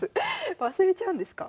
忘れちゃうんですか？